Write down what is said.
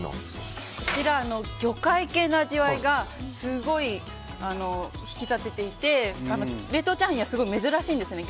こちら、魚介系の味わいがすごい引き立てていて冷凍チャーハンではすごい珍しいんですね。